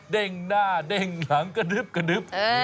เด้งหน้าเด้งหลังกระดึ๊บกระดึ๊บ